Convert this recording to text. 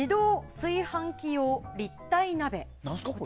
炊飯器用立体なべ。